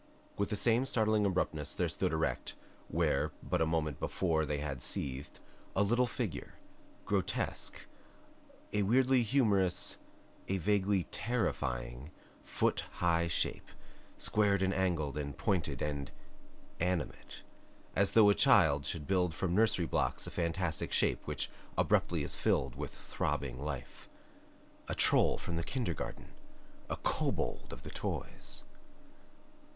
With the same startling abruptness there stood erect, where but a moment before they had seethed, a little figure, grotesque; a weirdly humorous, a vaguely terrifying foot high shape, squared and angled and pointed and ANIMATE as though a child should build from nursery blocks a fantastic shape which abruptly is filled with throbbing life. A troll from the kindergarten! A kobold of the toys!